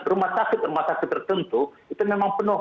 rumah sakit rumah sakit tertentu itu memang penuh